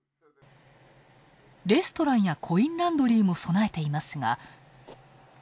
レストランやコインランドリーも備えていますが。